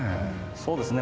そうですね。